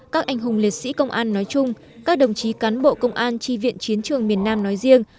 các anh hùng liệt sĩ công an nói chung các đồng chí cán bộ công an tri viện chiến trường miền nam nói riêng